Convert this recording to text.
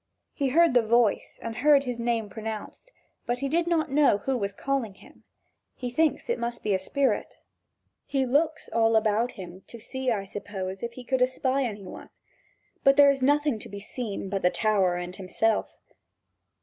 He heard the voice and heard his name pronounced, but he did not know who was calling him: he thinks it must be a spirit. He looks all about him to see, I suppose, if he could espy any one; but there is nothing to be seen but the tower and himself.